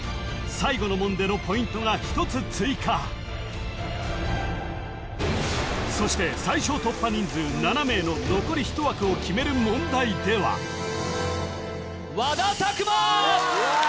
最後の門でのポイントが１つ追加そして最小突破人数７名の残り１枠を決める問題では和田拓馬！